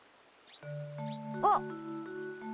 あっ。